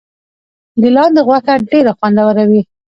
د لاندي غوښه ډیره خوندوره وي.